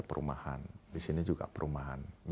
perumahan di sini juga perumahan